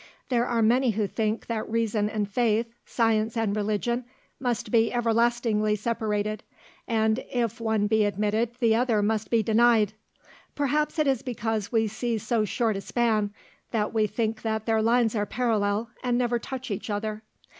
There are many who think that reason and faith, science and religion, must be everlastingly separated, and that if one be admitted the other must be denied. Perhaps it is because we see so short a span, that we think that their lines are parallel and never touch each other.